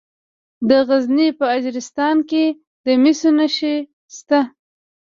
د غزني په اجرستان کې د مسو نښې شته.